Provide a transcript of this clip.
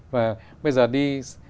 và bây giờ đi